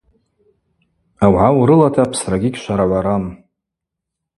Аугӏа урылата апсрагьи гьшварагӏварам.